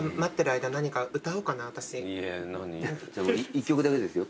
１曲だけですよ。